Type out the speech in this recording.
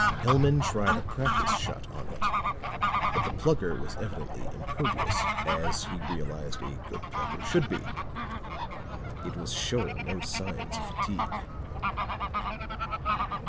Hellman tried a practice shot on it, but the Plugger was evidently impervious ... as, he realized, a good plugger should be. It was showing no signs of fatigue.